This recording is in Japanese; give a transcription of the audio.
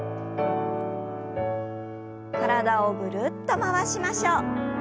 体をぐるっと回しましょう。